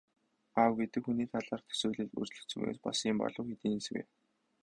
Аав гэдэг хүний талаарх төсөөлөл өөрчлөгдсөн үеэс болсон юм болов уу, хэдийнээс вэ?